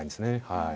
はい。